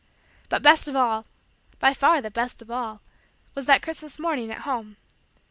But, best of all by far the best of all was that Christmas morning at home.